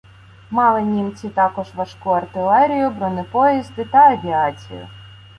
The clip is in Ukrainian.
Мали німці також важку артилерію, бронепоїзди та авіацію.